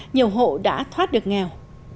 nhiều hộ đã thoát được nghèo